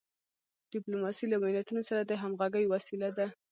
ډیپلوماسي له ملتونو سره د همږغی وسیله ده.